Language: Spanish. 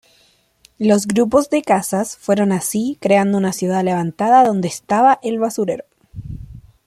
Los grupos de casas fueron así creando una ciudad levantada donde estaba el basurero.